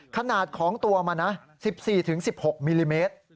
ขนาดของตัวมันนะ๑๔๑๖มิลลิเมตร